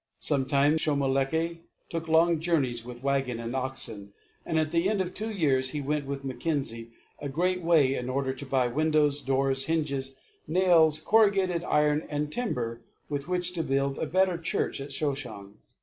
Sometimes Shomolekae took long journeys with wagon and oxen, and at the end of two years he went with Mackenzie a great way in order to buy windows, doors, hinges, nails, corrugated iron, and timber with which to build a better church at Shoshong.